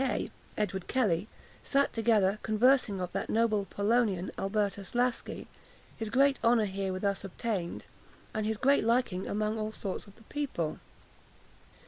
K. [Edward Kelly] sat together, conversing of that noble Polonian Albertus Laski, his great honour here with us obtained, and of his great liking among all sorts of the people."